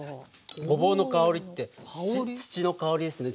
ごぼうの香りって土の香りですね。